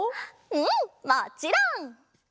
うんもちろん！